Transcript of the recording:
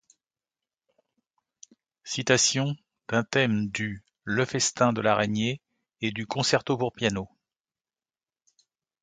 Citations d'un thème du Le Festin de l'Araignée et du Concerto pour piano.